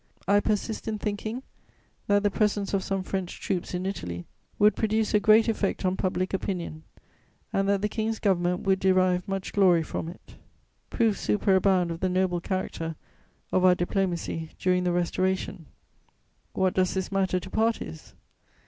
I persist in thinking that the presence of some French troops in Italy would produce a great effect on public opinion and that the King's Government would derive much glory from it." [Sidenote: Our bold diplomacy.] Proofs superabound of the noble character of our diplomacy during the Restoration. What does this matter to parties?